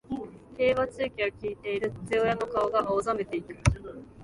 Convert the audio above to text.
競馬中継を聞いている父親の顔が青ざめていく